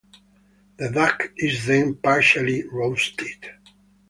The duck is then partially roasted.